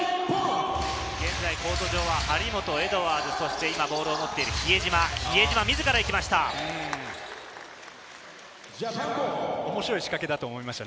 現在コート上は張本、エドワーズ、今ボールを持っている比江島、自ら行きました。